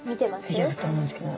見てると思うんですけど。